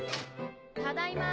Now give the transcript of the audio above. ただいま。